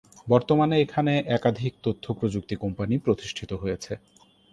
বর্তমানে এখানে একাধিক তথ্যপ্রযুক্তি কোম্পানি প্রতিষ্ঠিত হয়েছে।